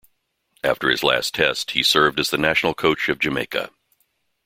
After his last Test, he served as the national coach of Jamaica.